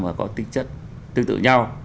mà có tính chất tương tự nhau